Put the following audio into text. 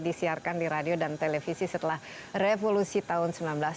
disiarkan di radio dan televisi setelah revolusi tahun seribu sembilan ratus sembilan puluh